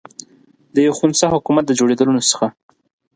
د یوه خنثی حکومت د جوړېدلو نسخه.